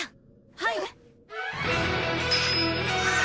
はい！